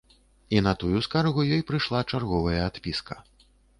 І на тую скаргу ёй прыйшла чарговая адпіска.